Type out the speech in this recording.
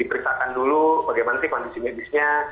diperiksakan dulu bagaimana sih kondisi medisnya